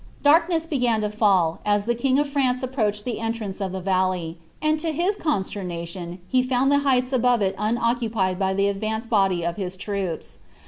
Oarkness began to fall as the king of France approacheu llift ntiura of the valley ; and to bia consteniation, he fauod the hei{;lili tfaove it unoccupied by the advanced body of his troops.